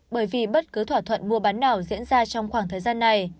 bởi vì bất cứ thỏa thuận mua bán nào diễn ra trong khoảng thời gian này